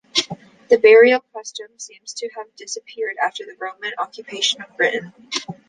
The burial custom seems to have disappeared after the Roman occupation of Britain.